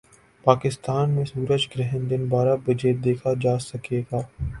پاکستان میں سورج گرہن دن بارہ بجے دیکھا جا سکے گا